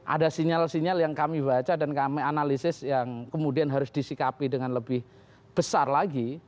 ada sinyal sinyal yang kami baca dan kami analisis yang kemudian harus disikapi dengan lebih besar lagi